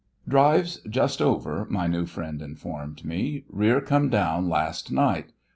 "Drive's just over," my new friend informed me. "Rear come down last night.